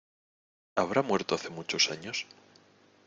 ¿ habrá muerto hace muchos años?